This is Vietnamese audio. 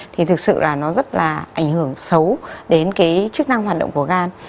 thì thực sự là nó rất là ảnh hưởng xấu đến cái chức năng hoạt động của gan